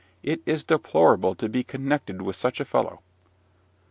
It is deplorable to be connected with such a fellow.